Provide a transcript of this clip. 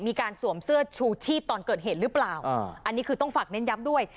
สวมเสื้อชูชีพตอนเกิดเหตุหรือเปล่าอันนี้คือต้องฝากเน้นย้ำด้วย